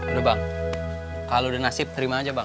udah bang kalau udah nasib terima aja bang